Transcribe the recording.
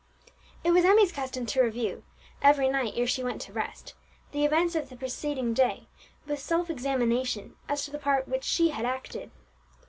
It was Emmie's custom to review, every night ere she went to rest, the events of the preceding day, with self examination as to the part which she had acted.